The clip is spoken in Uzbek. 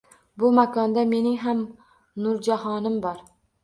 Bu makonda mening ham nurjahonim bor.